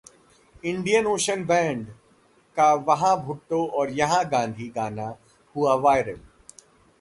Indian Ocean band का 'वहां भुट्टो और यहां गांधी' गाना हुआ वायरल